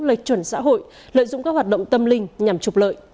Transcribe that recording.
lệch chuẩn xã hội lợi dụng các hoạt động tâm linh nhằm trục lợi